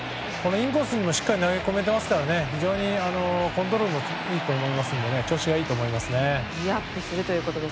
インコースにもしっかり投げ込めてますから非常にコントロールもいいと思いますので調子がいいと思います。